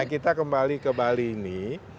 kita kembali ke bali ini